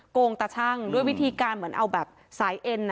โกงตะช่างด้วยวิธีการเหมือนเอาแหวะอย่างสายเอน